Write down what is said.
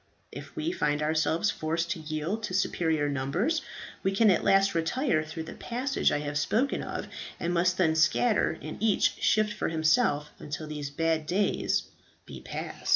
If we find ourselves forced to yield to superior numbers, we can at last retire through the passage I have spoken of, and must then scatter and each shift for himself until these bad days be past."